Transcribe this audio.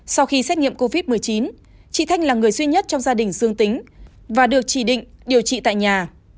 sau khi xét nghiệm covid một mươi chín chị thanh là người duy nhất trong gia đình dương tính và được chỉ định điều trị tại nhà